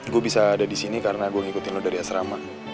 gue bisa ada di sini karena gue ngikutin lo dari asrama